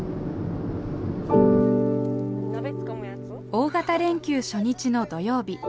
大型連休初日の土曜日。